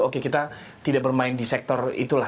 oke kita tidak bermain di sektor itulah